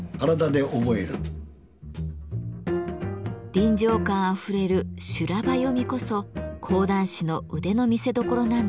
臨場感あふれる修羅場読みこそ講談師の腕の見せどころなんだとか。